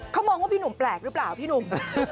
เขามองว่าพี่หนุ่มแปลกหรือเปล่าพี่หนุ่ม